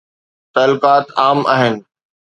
تعلقات عام آهن.